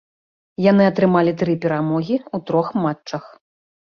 Яны атрымалі тры перамогі ў трох матчах.